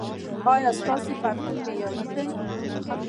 ایا ستاسو پوهنتون معیاري دی؟